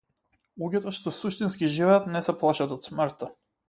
Луѓето што суштински живеат не се плашат од смртта.